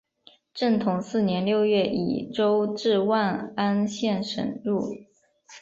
正统四年六月以州治万安县省入。